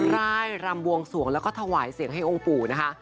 ร่ายรำบวงสวงแล้วก็ถวายเสียงให้องค์ปู่นะคะ